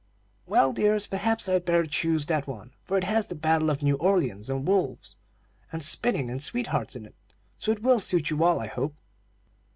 "Well, dears, perhaps I'd better choose that one, for it has the battle of New Orleans, and wolves, and spinning, and sweethearts in it; so it will suit you all, I hope."